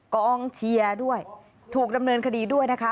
กองเชียร์ด้วยถูกดำเนินคดีด้วยนะคะ